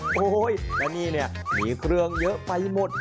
โอ้โฮและนี่มีเครื่องเยอะไปหมด